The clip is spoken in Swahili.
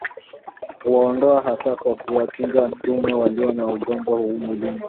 Kuwaondoa hasa kwa kuwachinja dume walio na ugonjwa huu mwilini